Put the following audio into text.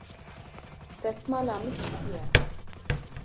Destmala min spî ye.